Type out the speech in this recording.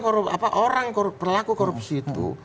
orang yang berlaku korupsi itu